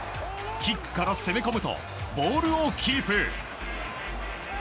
キックから攻め込むとボールをキープ。